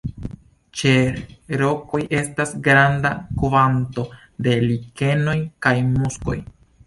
Ĉe rokoj estas granda kvanto de likenoj kaj muskoj.